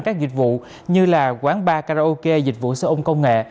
các dịch vụ như quán bar karaoke dịch vụ xe ôn công nghệ